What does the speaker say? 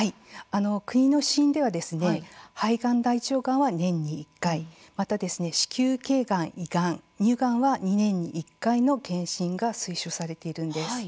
国の指針では肺がん大腸がんは年に１回また子宮けいがん、胃がん乳がんは２年に１回の検診が推奨されているんです。